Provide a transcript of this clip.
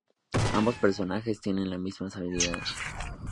Ambos personajes tienen las mismas habilidades.